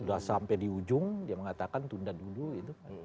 udah sampai di ujung dia mengatakan tunda dulu gitu